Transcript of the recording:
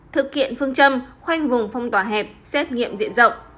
thực hiện phương châm khoanh vùng phong tỏa hẹp xét nghiệm diện rộng